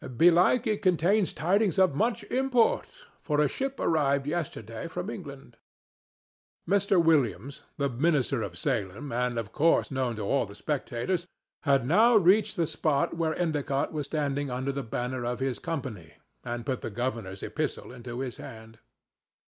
Belike it contains tidings of much import, for a ship arrived yesterday from England." Mr. Williams, the minister of Salem, and of course known to all the spectators, had now reached the spot where Endicott was standing under the banner of his company, and put the governor's epistle into his hand.